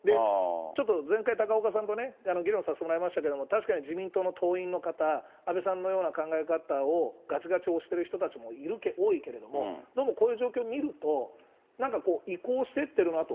ちょっと前回、高岡さんと議論させてもらいましたけれども、確かに自民党の党員の方、安倍さんのような考え方をがちがち推してる人たちも多いけれども、どうもこういう状況を見ると、なんかこう移行してってるなと。